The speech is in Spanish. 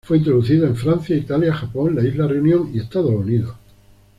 Fue introducido en Francia, Italia, Japón, la isla Reunión y Estados Unidos.